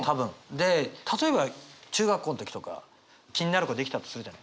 で例えば中学校の時とか気になる子出来たとするじゃない。